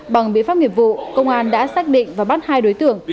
bằng biện pháp nghiệp vụ công an đã xác định và bắt hai đối tượng